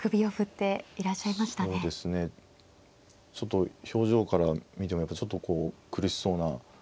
ちょっと表情から見てもやっぱちょっとこう苦しそうな。